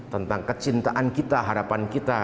tentang kecintaan kita harapan kita